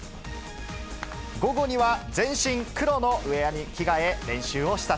午後には、全身黒のウエアに着替え、練習を視察。